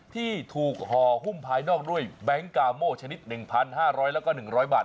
ที่ถูกห่อหุ้มภายนอกด้วยแบงค์กาโม่ชนิด๑๕๐๐แล้วก็๑๐๐บาท